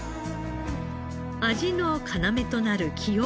味の要となる木桶。